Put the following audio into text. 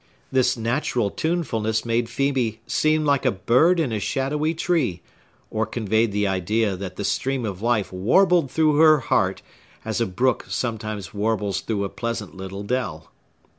This natural tunefulness made Phœbe seem like a bird in a shadowy tree; or conveyed the idea that the stream of life warbled through her heart as a brook sometimes warbles through a pleasant little dell.